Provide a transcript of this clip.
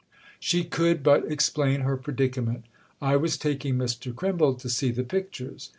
She could but explain her predicament. "I was taking Mr. Crimble to see the pictures."